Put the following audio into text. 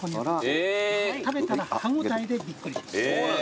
食べたら歯応えでびっくりします。